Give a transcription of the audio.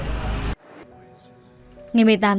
không phải lãi nặng